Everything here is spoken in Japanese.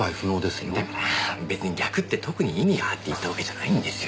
だから別に「逆」って特に意味があって言ったわけじゃないんですよ。